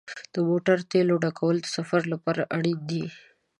د موټر تیلو ډکول د سفر لپاره اړین دي.